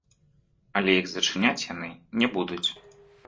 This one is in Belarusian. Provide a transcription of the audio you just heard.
Але іх зачыняць яны не будуць.